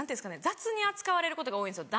雑に扱われることが多いんですよ